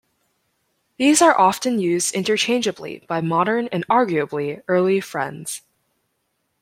These are often used interchangeably by modern and arguably early Friends.